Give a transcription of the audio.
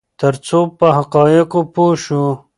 ترڅو په حقایقو پوه شو.